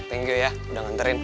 thank you ya udah nganterin